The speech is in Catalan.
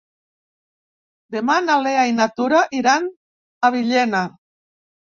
Demà na Lea i na Tura iran a Villena.